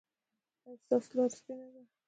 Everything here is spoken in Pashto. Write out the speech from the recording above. ایا ستاسو لاره سپینه ده؟